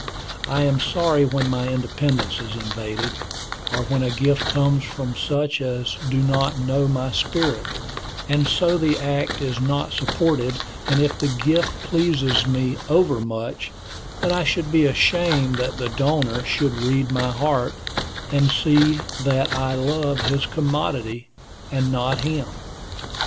I am sorry when my independence is invaded, or when a gift comes from such as do not know my spirit, and so the act is not supported; and if the gift pleases me overmuch, then I should be ashamed that the donor should read my heart, and see that I love his commodity, and not him.